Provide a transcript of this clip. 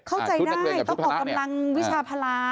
เข้าใจได้ต้องกำลังวิชาภาระ